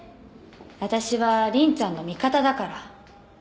私は凛ちゃんの味方だから。